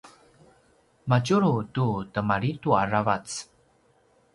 madjulu tu temalidu aravac